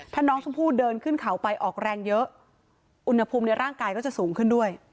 ถ้าน้องชมพู่เดินขึ้นเขาไปออกแรงเยอะอุณหภูมิในร่างกายก็จะสูงขึ้นด้วย